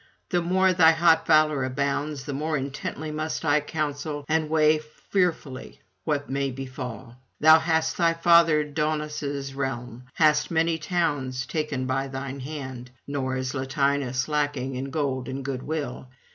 the more thy hot valour abounds, the more intently must I counsel, and weigh fearfully what may befall. Thou hast thy father Daunus' realm, hast many towns taken by [23 55]thine hand, nor is Latinus lacking in gold and goodwill.